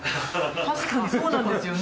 確かにそうなんですよね。